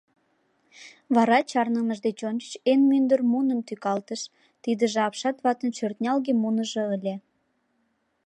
Вара чарнымыж деч ончыч эн мӱндыр муным тӱкалтыш, тидыже апшат ватын шӧртнялге муныжо ыле.